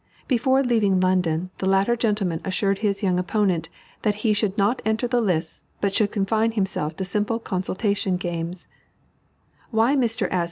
Before leaving London, the latter gentleman assured his young opponent that he should not enter the lists, but should confine himself to simple consultation games. Why Mr. S.